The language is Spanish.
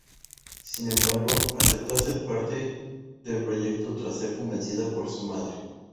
Sin embargo, aceptó hacer parte del proyecto tras ser convencida por su madre.